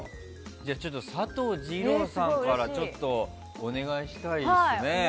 じゃあ、佐藤二朗さんからちょっと、お願いしたいですね。